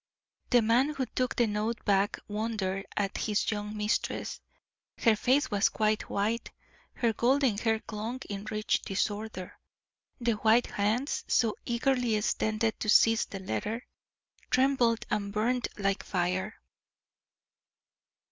The man who took the note back wondered at his young mistress, her face was quite white, her golden hair clung in rich disorder, the white hands, so eagerly extended to seize the letter, trembled and burned like fire.